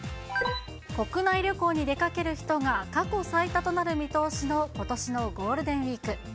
国内旅行に出かける人が過去最多となる見通しのことしのゴールデンウィーク。